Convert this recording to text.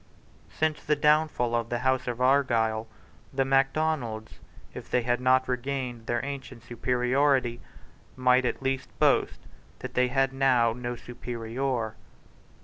Since the downfall of the House of Argyle, the Macdonalds, if they had not regained their ancient superiority, might at least boast that they had now no superior.